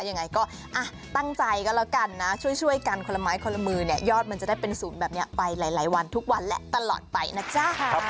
ยังไงก็ตั้งใจก็แล้วกันนะช่วยกันคนละไม้คนละมือเนี่ยยอดมันจะได้เป็นศูนย์แบบนี้ไปหลายวันทุกวันและตลอดไปนะจ๊ะ